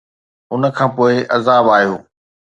ان کان پوءِ عذاب آيو